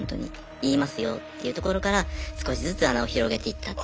言いますよっていうところから少しずつ穴を広げていったと。